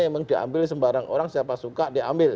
memang diambil sembarang orang siapa suka diambil